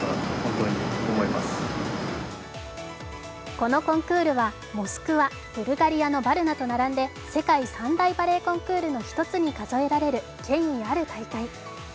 このコンクールはモスクワ、ブルガリアのバルナと並んで世界三大バレエコンクールの一つに数えられる権威ある大会。